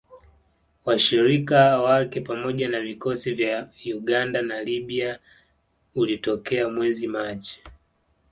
Washirika wake pamoja na vikosi vya Uganda na Libya ulitokea mwezi Machi